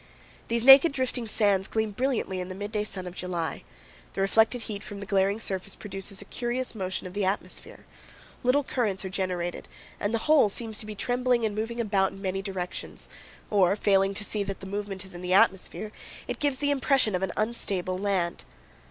These naked, drifting sands gleam brilliantly in the midday sun of July. The reflected heat from the glaring surface produces a curious motion of the atmosphere; little currents are generated and the whole seems to be trembling and moving about in many directions, or, failing to see that the movement is in the atmosphere, it gives the impression of an unstable land.